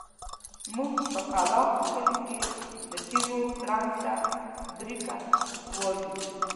موږ په کلاخ کلي کې د تيږو کړنګ ته بېرکه وايو.